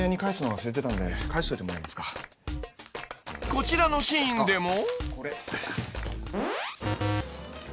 ［こちらのシーンでも］